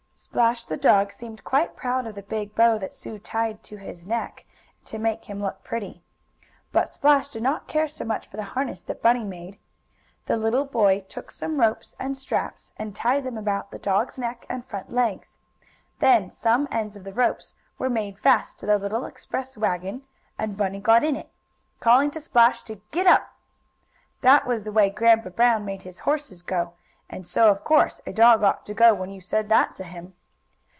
Splash, the dog, seemed quite proud of the big bow that Sue tied on his neck, to make him look pretty. But Splash did not care so much for the harness that Bunny made. The little boy took some ropes and straps, and tied them about the dog's neck and front legs. Then some ends of the ropes were made fast to the little express wagon, and Bunny got in it, calling to Splash to "giddap!" That was the way Grandpa Brown made his horses go, and so, of course, a dog ought to go when you said that to him.